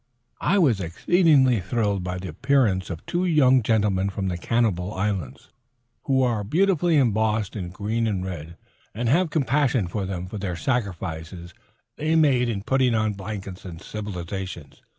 I was exceedingly thrilled by the appearance of the two young gentlemen from the Cannibal Islands, who are beautifully embossed in green and red, and compassionated them for the sacrifices they make in putting on blankets and civilization.